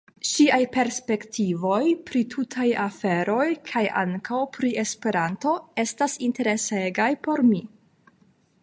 Ŝiaj perspektivoj pri tutaj aferoj, kaj ankaŭ pri Esperanto, estis interesegaj por mi.